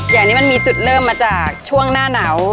อย่างนี้มันมีจุดเริ่มมาจากช่วงหน้าหนาว